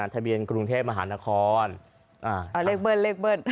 ทะเบียนกรุงเทพฯมหานครอ่ะเลขเบิดเล็กเบิด